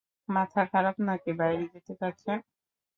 মাথা খারাপ নাকি বাইরে যেতে চাচ্ছেন?